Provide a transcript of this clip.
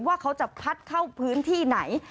ว่าเขาจะพัดเข้าพื้นที่ไหน